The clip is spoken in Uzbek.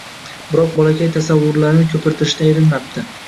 Biroq bolakay tasavvurlarini ko’pirtirishdan erinmabdi.